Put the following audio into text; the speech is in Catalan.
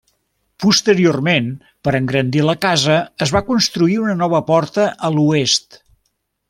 Posteriorment, per engrandir la casa es va construir una nova porta a l'oest.